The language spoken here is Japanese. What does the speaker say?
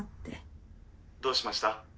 どうしました？